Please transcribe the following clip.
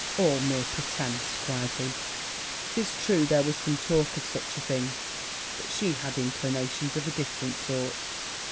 'All mere pretence!' cried he: ''tis true, there was some talk of such a thing; but she has inclinations of a different sort.'